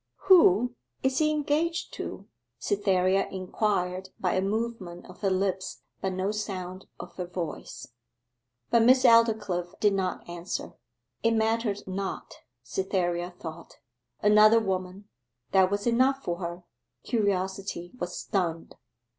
'Who is he engaged to?' Cytherea inquired by a movement of her lips but no sound of her voice. But Miss Aldclyffe did not answer. It mattered not, Cytherea thought. Another woman that was enough for her: curiosity was stunned.